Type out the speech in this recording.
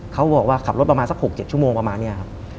เขาบอกว่าขับรถประมาณสัก๖๗ชั่วโมงประมาณนี้ครับ